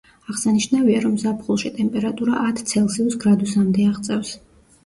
აღსანიშნავია, რომ ზაფხულში ტემპერატურა ათ ცელსიუს გრადუსამდე აღწევს.